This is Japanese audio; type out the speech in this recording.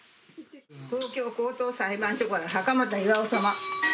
東京高等裁判所から袴田巌様。